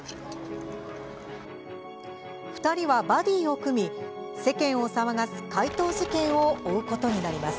２人はバディーを組み世間を騒がす怪盗事件を追うことになります。